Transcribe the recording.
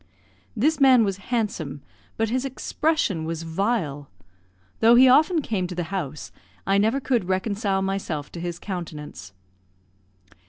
This man was handsome, but his expression was vile. Though he often came to the house, I never could reconcile myself to his countenance.